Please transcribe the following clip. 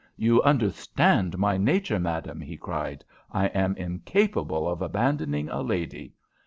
"You understand my nature, madame," he cried. "I am incapable of abandoning a lady.